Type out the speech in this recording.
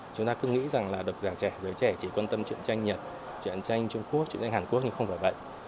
chúng ta cứ nghĩ rằng là độc giả trẻ giới trẻ chỉ quan tâm chuyện tranh nhật chuyện tranh trung quốc chuyện tranh hàn quốc nhưng không phải vậy